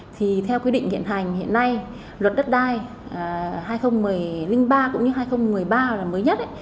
thì theo quy định hiện hành hiện nay luật đất đai hai nghìn một mươi ba cũng như hai nghìn một mươi ba là mới nhất ấy